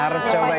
harus coba juga